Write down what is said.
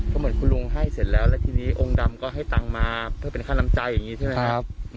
ก็เหมือนคุณลุงให้เสร็จแล้วแล้วทีนี้องค์ดำก็ให้ตังค์มาเพื่อเป็นค่าน้ำใจอย่างนี้ใช่ไหมครับ